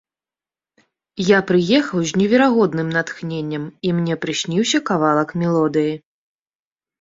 Я прыехаў з неверагодным натхненнем, і мне прысніўся кавалак мелодыі.